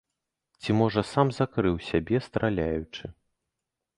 Ці, можа, сам закрыў сябе, страляючы.